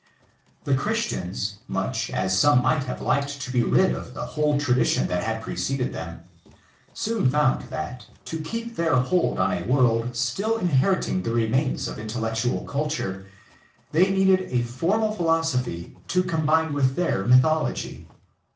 The Christians, much as some might have liked to be rid of the whole tradition that had preceded them, soon found that, to keep their hold on a world still inheriting the remains of intellectual culture, they needed a formal philosophy to combine with their PHILOSOPHY AGAINST REVEALED RELIGION 61 mythology.